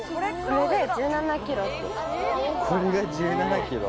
これが１７ｋｇ？